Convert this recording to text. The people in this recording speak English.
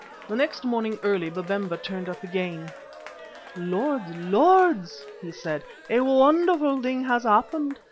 The very next morning, early, Babemba turned up again. "Lords, lords," he said, "a wonderful thing has happened!